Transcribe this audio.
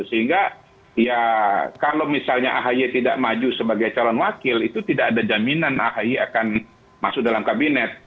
sehingga ya kalau misalnya ahy tidak maju sebagai calon wakil itu tidak ada jaminan ahy akan masuk dalam kabinet